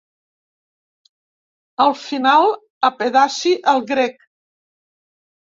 Al final, apedaci el grec.